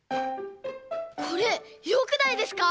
これよくないですか？